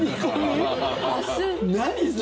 何それ？